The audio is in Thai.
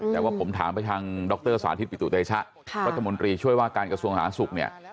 แต่ว่าผมถามไปทางดรสาธิตปิตุเตชะรัฐมนตรีช่วยว่าการกระทรวงสาธารณสุขเนี่ย